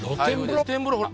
露天風呂ほら。